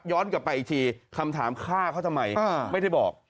กลับไปอีกทีคำถามฆ่าเขาทำไมไม่ได้บอก